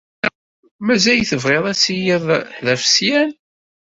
Mazal tebɣiḍ ad tiliḍ d afesyan?